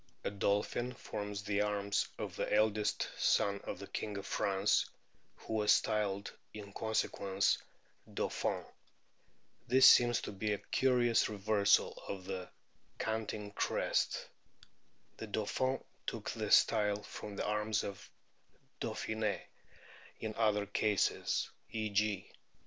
A dolphin forms the arms of the eldest son of the King of France, who was styled in con sequence " Dauphin." This seems to be a curious DOLPHINS 257 reversal of the "Canting Crest." The Dauphin took his style from the arms of Dauphine* ; in other cases (e.g.